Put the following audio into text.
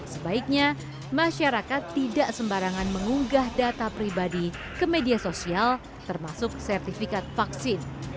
sebaiknya masyarakat tidak sembarangan mengunggah data pribadi ke media sosial termasuk sertifikat vaksin